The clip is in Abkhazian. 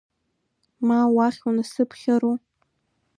Ма уахь унасыԥхьару?